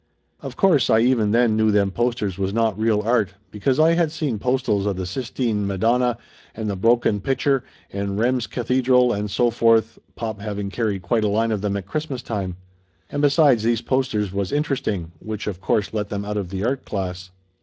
Of course I even then knew them posters was not real art, because I had seen postals of the Sistine Ma donna and the Broken Pitcher and Rheims Cathedral and so forth, pop having carried quite a line of them at Christmas time. And besides, these posters was in teresting, which of course let them out of the art class.